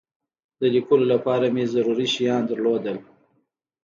د لیکلو لپاره مې ضروري شیان درلودل.